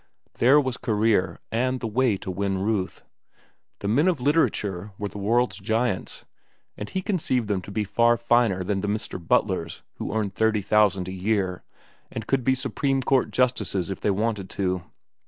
There was career and the way to win to Ruth. The men of literature were the world's giants, and he conceived them to be far finer than the Mr. Butlers who earned thirty thousand a year and could be Supreme Court justices if they wanted to.